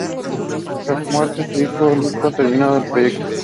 Tras su muerte, su hijo Lincoln terminó el proyecto.